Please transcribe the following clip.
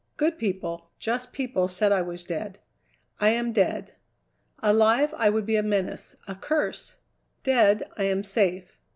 Good people, just people said I was dead. I am dead. Alive, I would be a menace, a curse. Dead, I am safe.